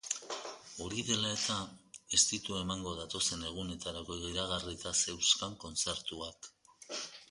Hori dela eta, ez ditu emango datozen egunetarako iragarrita zeuzkan kontzertuak.